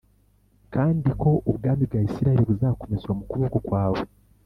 kandi ko ubwami bwa Isirayeli buzakomezwa mu kuboko kwawe.